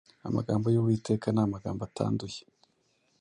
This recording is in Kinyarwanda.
Amagambo y’Uwiteka ni amagambo atanduye.